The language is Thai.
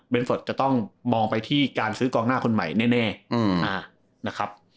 เป็นเฟิร์ตจะต้องมองไปที่การซื้อกองหน้าคนใหม่แน่นะครับ